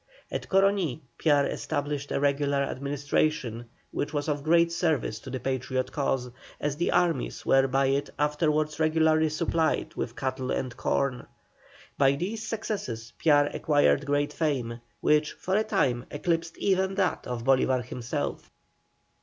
At Coroní Piar established a regular administration, which was of great service to the Patriot cause, as the armies were by it afterwards regularly supplied with cattle and corn. By these successes Piar acquired great fame, which for a time eclipsed even that of Bolívar himself.